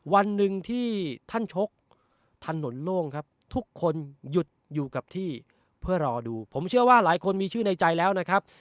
วันหนึ่งที่ท่านชกถนนโล่งครับทุกคนหยุดอยู่กับที่เพื่อรอดูผมเชื่อว่าหลายคนมีชื่อในใจแล้วนะครับ